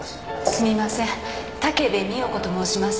すみません武部美代子と申します。